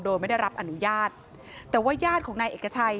โดยไม่ได้รับอนุญาตแต่ว่าญาติของนายเอกชัย